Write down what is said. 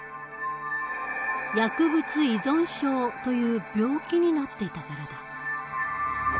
薬物依存症という病気になっていたからだ。